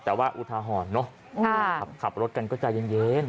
แต่ว่าอุทาหรณ์เนอะขับรถกันก็ใจเย็น